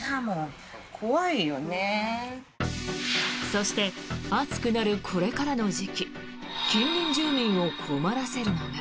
そして暑くなるこれからの時期近隣住民を困らせるのが。